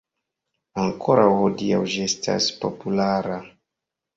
Ankoraŭ hodiaŭ ĝi estas populara.